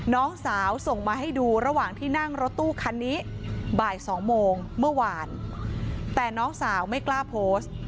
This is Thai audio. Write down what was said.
น้องสาวส่งมาให้ดูระหว่างที่นั่งรถตู้คันนี้บ่าย๒โมงเมื่อวานแต่น้องสาวไม่กล้าโพสต์